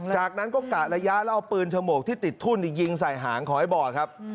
จากนั้นก็กะระยะแล้วเอาปืนฉมวกที่ติดทุ่นยิงใส่หางของไอ้บอดครับ